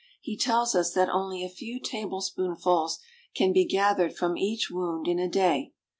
He tells us that only a few tablespoonfuls can be gathered from each wound in a day.